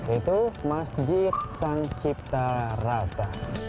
itu masjid sang cipta